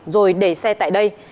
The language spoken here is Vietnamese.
rồi để xe tại đây